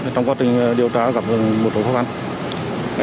trong quá trình điều tra gặp một số pháp án